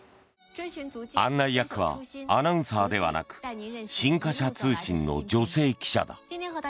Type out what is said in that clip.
案内役はアナウンサーではなく新華社通信の女性記者だ。